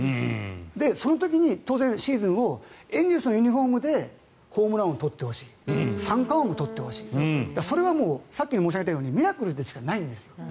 その時に当然、シーズンをエンゼルスのユニホームでホームラン王を取ってほしい三冠王も取ってほしい、それはミラクルでしかないんですよ。